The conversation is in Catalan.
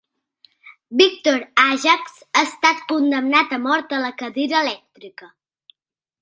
Victor Ajax ha estat condemnat a mort, a la cadira elèctrica.